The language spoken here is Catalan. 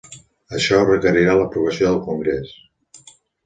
Això requerirà l'aprovació del congrés.